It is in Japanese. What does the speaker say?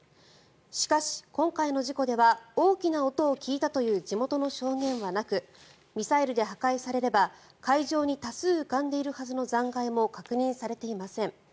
しかし、今回の事故では大きな音を聞いたという地元の証言はなくミサイルで破壊されれば海上に多数浮かんでいるはずの残骸も確認されていません。